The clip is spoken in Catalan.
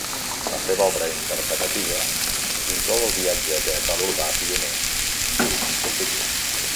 La seva obra interpretativa inclou el viatge teatral urbà pioner, "You-The City".